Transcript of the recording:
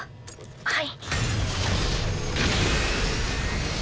はい。